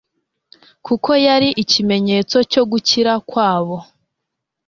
kuko yari ikimenyetso cyo gukira kwabo